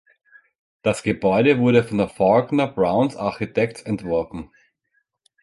Das Gebäude wurde von FaulknerBrowns Architects entworfen.